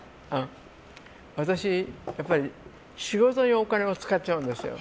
私、仕事にお金を使っちゃうんですよ。